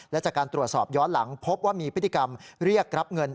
และจากการตรวจสอบย้อนหลังพบว่ามีพฤติกรรมเรียกรับเงิน